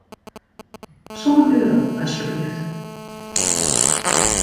Sân euro, asjeblyft.